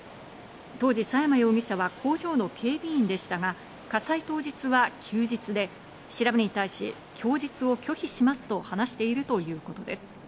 当時、佐山容疑者は工場の警備員でしたが、火災当日は休日で、調べに対し供述を拒否しますと話しているということです。